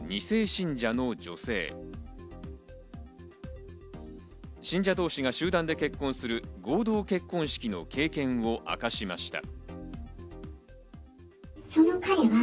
信者同士が集団で結婚する合同結婚式の経験を明かしました。